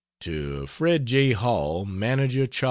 To Fred J. Hall (manager Chas.